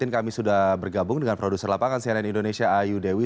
kami sudah bergabung dengan produser lapangan cnn indonesia ayu dewi